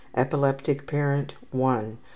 2 Epileptic parent. .....